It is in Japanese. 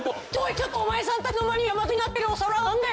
ちょっとお前さんたちの前に山積みになっているお皿はなんだい！？